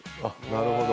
なるほど。